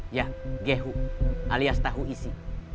ya gehu alias tahu isi